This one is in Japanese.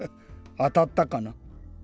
あたったかな？